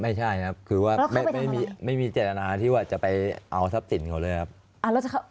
ไม่ใช่ครับคือว่าไม่มีเจตนาที่ว่าจะไปเอาทรัพย์สินเขาเลยครับ